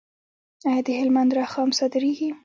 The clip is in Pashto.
آیا د هلمند رخام صادریږي؟